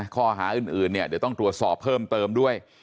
ข้อหาอื่นเนี่ยเดี๋ยวต้องตรวจสอบเพิ่มเติมด้วย